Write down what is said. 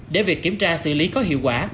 để việc kiểm tra xử lý có hiệu quả